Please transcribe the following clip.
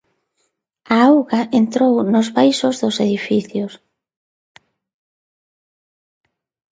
A auga entrou nos baixos dos edificios.